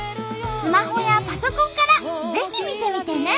スマホやパソコンからぜひ見てみてね。